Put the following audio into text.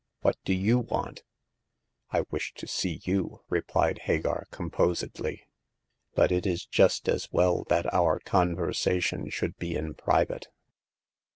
" What do you want ?*''' I wish to see you," repHed Hagar, composedly, but it is just as well that our conversation should be in private."